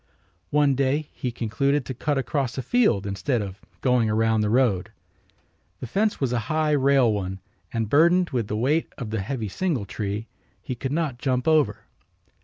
One day he concluded to cut across a field instead of going around the road. The fence was a high rail one and, burdened with the weight of the heavy singletree, he could not jump over.